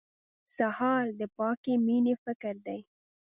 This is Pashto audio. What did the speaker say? سهار د پاکې مېنې فکر دی.